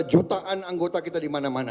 jutaan anggota kita di mana mana